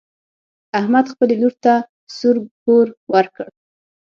احمد خپلې لور ته سور کور ورکړ.